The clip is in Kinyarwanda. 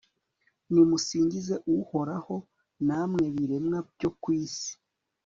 nimusingize uhoraho, namwe biremwa byo ku isi